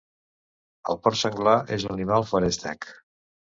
El porc senglar és un animal feréstec.